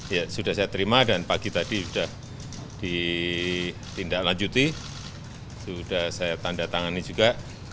ya sudah saya terima dan pagi tadi sudah ditindaklanjuti sudah saya tanda tangani juga